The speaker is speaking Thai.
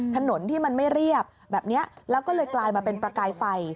ถนนที่มันไม่เรียบแบบนี้แล้วก็เลยกลายมาเป็นประกายไฟ